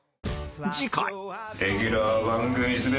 次回